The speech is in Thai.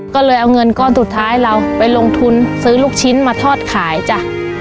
ก็เลยเอาเงินก้อนสุดท้ายเราไปลงทุนซื้อลูกชิ้นมาทอดขายจ้ะ